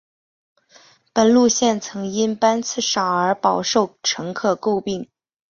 本路线曾因班次少而饱受乘客诟病。